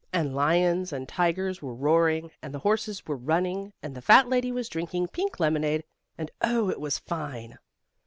And lions and tigers were roaring, and the horses were running, and the fat lady was drinking pink lemonade, and Oh! it was fine!